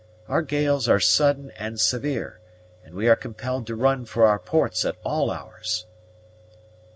Our gales are sudden and severe, and we are compelled to run for our ports at all hours."